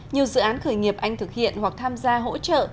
nhiều dự án khởi nghiệp anh thực hiện hoặc tham gia hỗ trợ